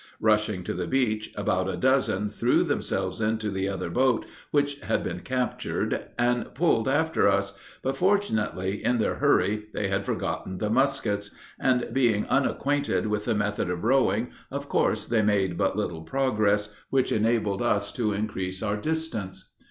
Rushing to the beach, about a dozen threw themselves into the other boat, which had been captured, and pulled after us; but, fortunately, in their hurry, they had forgotten the muskets, and being unacquainted with the method of rowing, of course they made but little progress, which enabled us to increase our distance.